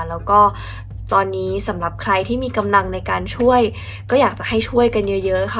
แล้วก็ตอนนี้สำหรับใครที่มีกำลังในการช่วยก็อยากจะให้ช่วยกันเยอะค่ะ